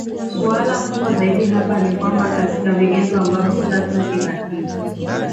Suala kubwa zaidi hapa ni kwamba katika vigezo ambavyo Chato inakidhi